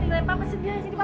papa sendiri di rumah